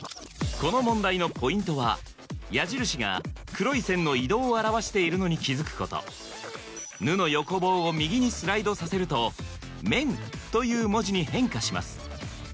この問題のポイントは矢印が黒い線の移動を表しているのに気付くこと「ヌ」の横棒を右にスライドさせると「メン」という文字に変化します